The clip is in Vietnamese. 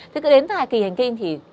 thế đến thời kỳ hành kinh thì